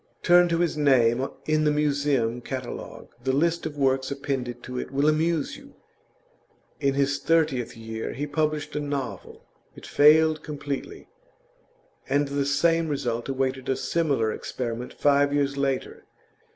Turn to his name in the Museum Catalogue; the list of works appended to it will amuse you. In his thirtieth year he published a novel; it failed completely, and the same result awaited a similar experiment five years later.